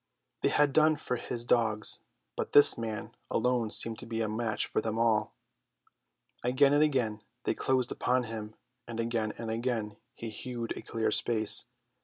They had done for his dogs, but this man alone seemed to be a match for them all. Again and again they closed upon him, and again and again he hewed a clear space.